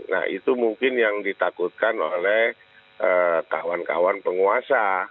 nah itu mungkin yang ditakutkan oleh kawan kawan penguasa